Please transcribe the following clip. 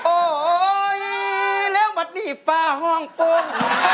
โอ๊ยแล้วมันนี่ฟ้าห้องปุ้ง